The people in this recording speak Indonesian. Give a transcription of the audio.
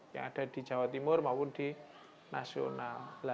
yang ada di jawa timur maupun di nasional